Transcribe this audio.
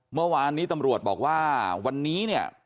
เมื่อวานนี้ตำรวจบอกว่าวันนี้เนี่ย